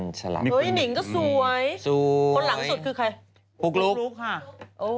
สวยคนหลังสุดคือใครภูกรุกค่ะโอ้ย